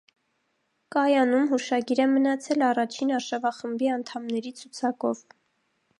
Կայանում հուշագիր է մնացել առաջին արշավախմբի անդամների ցուցակով։